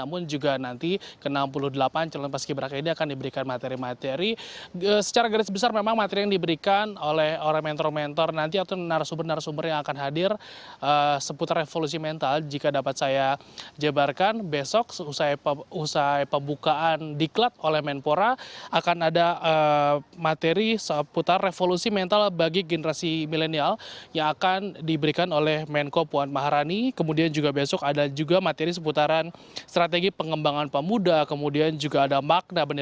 apakah sehingga siang ini semua calon paski berak akan menjalani pemusatan pelatihan